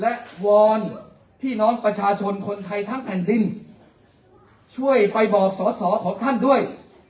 และวอนพี่น้องประชาชนคนไทยทั้งแผ่นดินช่วยไปบอกสอสอของท่านด้วย